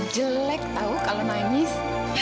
jelek tau kalau nangis